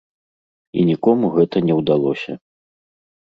І нікому гэта не ўдалося.